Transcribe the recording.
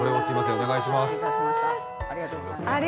お願いします